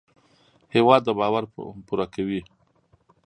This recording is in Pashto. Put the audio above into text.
هېواد د باور پوره کوي.